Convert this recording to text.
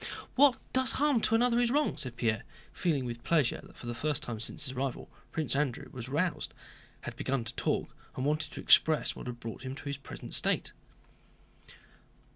"What does harm to another is wrong," said Pierre, feeling with pleasure that for the first time since his arrival Prince Andrew was roused, had begun to talk, and wanted to express what had brought him to his present state.